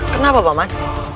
kenapa pak man